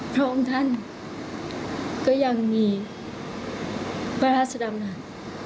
พระองค์ท่านก็ยังมีพระราชดำรัฐ